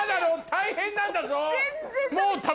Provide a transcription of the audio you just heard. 大変なんだぞ。